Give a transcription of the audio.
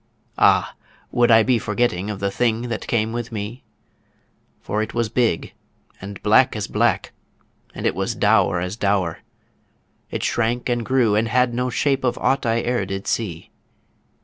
Ah! would I be forgetting of The Thing that came with me? For it was big and black as black, and it was dour as dour, It shrank and grew and had no shape of aught I e'er did see.